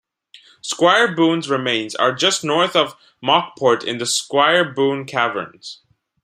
Squire Boone's remains are just north of Mauckport in the Squire Boone Caverns.